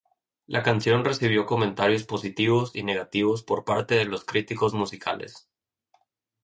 La canción recibió comentarios positivos y negativos por parte de los críticos musicales.